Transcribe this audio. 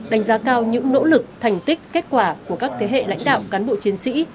đánh giá cao những nỗ lực thành tích kết quả của các thế hệ lãnh đạo cán bộ chiến sĩ